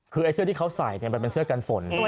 คือไอ้เสื้อที่เขาใส่มันเป็นเสื้อกันฝน